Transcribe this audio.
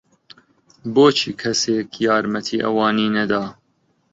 بۆچی کەسێک یارمەتیی ئەوانی نەدا؟